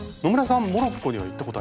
モロッコには行ったことあります？